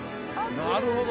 なるほど！